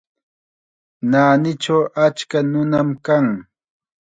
Naanichaw achka nunam kan.